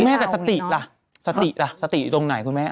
แม่แต่สติล่ะสติล่ะสติอยู่ตรงไหนคุณแม่